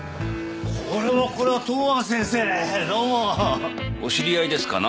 これはこれは東庵先生どうもお知り合いですかな